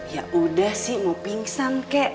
yaudah sih mau pingsan kek